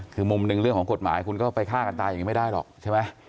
คือมุมหนึ่งเรื่องของกฎหมายคุณก็ไปฆ่ากันตายอย่างนี้ไม่ได้หรอกใช่ไหม